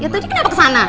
ya tadi kenapa kesana